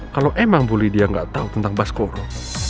kalau emang bu lidia gak tahu tentang baskoro